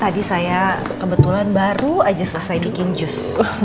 tadi saya kebetulan baru aja selesai bikin jus